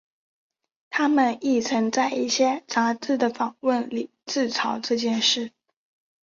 他们亦曾在一些杂志的访问里自嘲这件事。